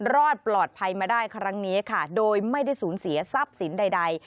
รอดปลอดภัยมาได้ครั้งนี้ค่ะโดยไม่ได้สูญเสียทรัพย์สินใด